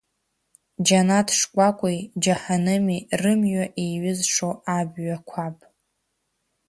Џьанаҭ шкәакәеи џьаҳаными, рымҩа еиҩызшо абҩа қәаб.